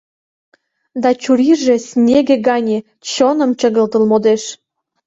Да чурийже снеге гане чоным чыгылтыл модеш.